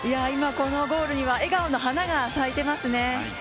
今、このゴールには笑顔の花が咲いてますね。